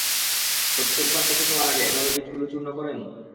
প্রত্যেকবার কফি খাওয়ার আগে এভাবে বীজগুলো চূর্ণ করেন?